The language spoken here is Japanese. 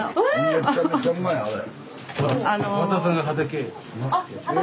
めちゃめちゃうまいあれ。